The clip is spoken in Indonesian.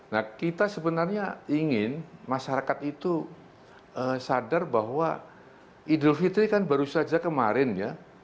nah kita sebenarnya ingin masyarakat itu sadar bahwa idul fitri kan baru saja kemarin ya